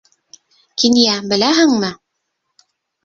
Кинйә, беләһеңме?..